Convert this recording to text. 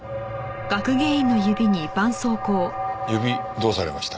指どうされました？